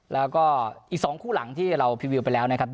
แล้วก็อีก๒คู่หลังที่เราพรีวิวไปแล้วนะครับ